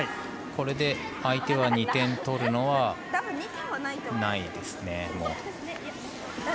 これで相手は２点取ることはもうないですね。